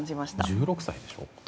１６歳でしょ？